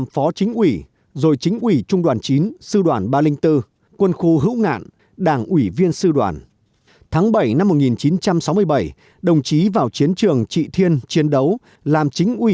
phó ban các chức vụ